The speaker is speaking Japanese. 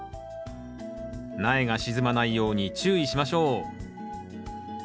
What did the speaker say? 苗が沈まないように注意しましょう。